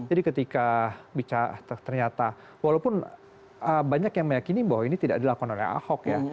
jadi ketika bisa ternyata walaupun banyak yang meyakini bahwa ini tidak dilakukan oleh ahok ya